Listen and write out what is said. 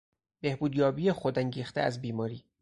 بهبودیابی خودانگیخته از بیماری